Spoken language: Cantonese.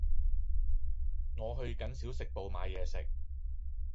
我去緊小食部買嘢食